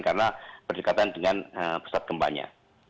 karena berdekatan dengan pusat gembanya